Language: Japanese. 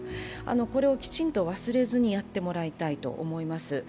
これをきちんと忘れずにやってもらいたいと思います。